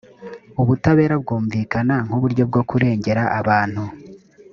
ubutabera bwumvikana nk uburyo bwo kurengera abantu